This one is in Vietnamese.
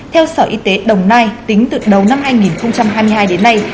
theo sở y tế đồng nai tính từ đầu năm hai nghìn hai mươi hai đến nay